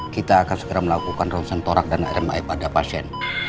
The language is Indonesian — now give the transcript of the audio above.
kita akan segera melakukan ronsen torak dan rmi pada pasien